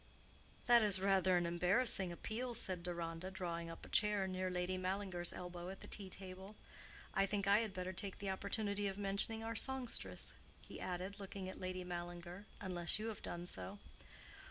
"That is rather an embarrassing appeal," said Deronda, drawing up a chair near Lady Mallinger's elbow at the tea table. "I think I had better take the opportunity of mentioning our songstress," he added, looking at Lady Mallinger—"unless you have done so."